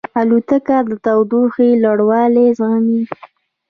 الوتکه د تودوخې لوړوالی زغمي.